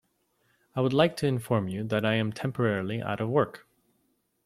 I would like to inform you that I am temporarily out of work.